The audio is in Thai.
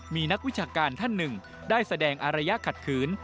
มีนักวิชาการท่านหนึ่งได้แสดงอารยะขัดขืน